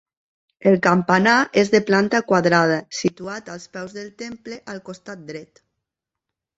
El campanar és de planta quadrada, situat als peus del temple, al costat dret.